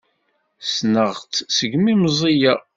Ssneɣ-tt segmi meẓẓiyeɣ.